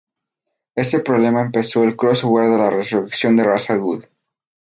Este problema empezó el crossover de la resurrección de Ra's al Ghul.